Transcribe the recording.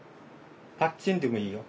パッチンでもいいよ。